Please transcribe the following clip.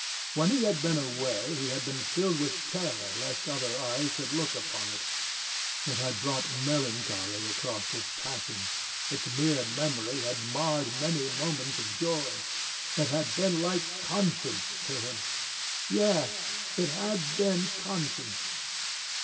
When he had been away, he had been filled with terror lest other eyes should look upon it. It had brought melancholy across his passions. Its mere memory had marred many moments of joy. It had been like conscience to him. Yes, it had been conscience.